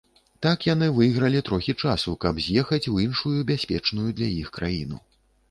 Так яны выйгралі трохі часу, каб з'ехаць у іншую бяспечную для іх краіну.